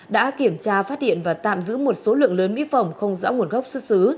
đã kiểm tra phát hiện và tạm giữ một số lượng lớn mỹ phẩm không rõ nguồn gốc xuất xứ